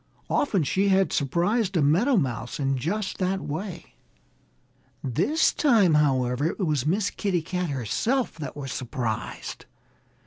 Often she had surprised a meadow mouse in just that way. This time, however, it was Miss Kitty Cat herself that was surprised.